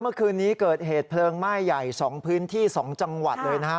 เมื่อคืนนี้เกิดเหตุเพลิงไหม้ใหญ่๒พื้นที่๒จังหวัดเลยนะฮะ